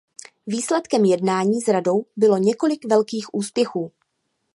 Výsledkem jednání s Radou bylo několik velkých úspěchů.